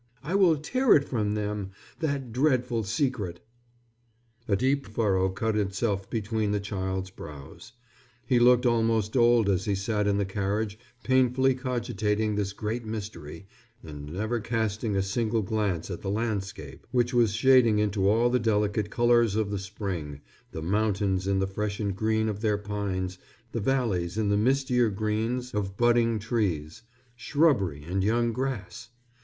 I will tear it from them, that dreadful secret!" A deep furrow cut itself between the child's brows. He looked almost old as he sat in the carriage painfully cogitating this great mystery and never casting a single glance at the landscape, which was shading into all the delicate colors of the spring, the mountains in the freshened green of their pines, the valleys in the mistier greens of budding trees, shrubbery and young grass.